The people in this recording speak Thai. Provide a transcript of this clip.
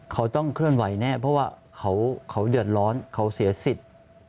เขาต้องเคลื่อนไหวแน่เพราะว่าเขาเดือดร้อนเขาเสียสิทธิ์